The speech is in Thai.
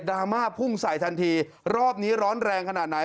ราม่าพุ่งใส่ทันทีรอบนี้ร้อนแรงขนาดไหน